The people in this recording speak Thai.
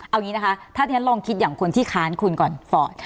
เอาอย่างนี้นะคะถ้าที่ฉันลองคิดอย่างคนที่ค้านคุณก่อนฟอร์ต